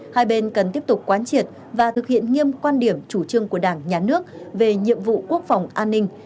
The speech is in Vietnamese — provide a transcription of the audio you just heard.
hai bên cần tiếp tục quán triệt và thực hiện nghiêm quan điểm chủ trương của đảng nhà nước về nhiệm vụ quốc phòng an ninh